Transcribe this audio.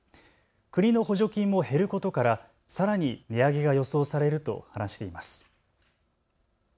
国の補助金も減ることからさらに値上げが予想されると話しています。